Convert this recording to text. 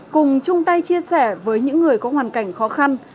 cùng chung tay chia sẻ với những người có hoàn cảnh khó khăn